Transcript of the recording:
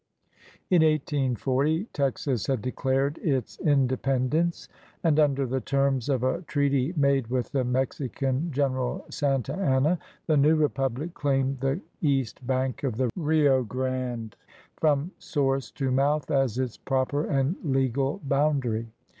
In 1840, Texas had declared its independence, and under the terms of a treaty made with the Mexican general Santa Anna, the new republic 148 IN CONGRESS claimed the east bank of the Rio Grande from source to mouth as its proper and legal bound ary.